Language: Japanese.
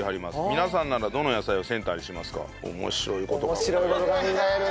「皆さんならどの野菜をセンターにしますか？」面白い事考える。